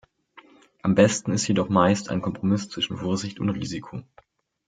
Am besten ist jedoch meist ein Kompromiss zwischen Vorsicht und Risiko.